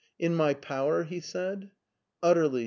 In my power!" he said. Utterly